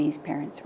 cũng như th cath